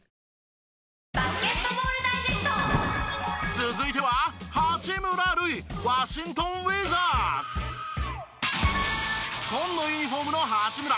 続いては紺のユニホームの八村。